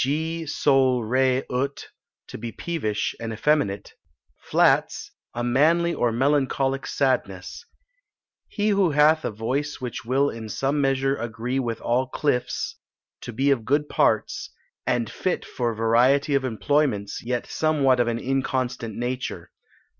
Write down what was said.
G Sol re ut, to be peevish and effeminate. Flats, a manly or melancholic sadness. He who hath a voice which will in some measure agree with all cliffs, to be of good parts, and fit for variety of employments, yet somewhat of an inconstant nature.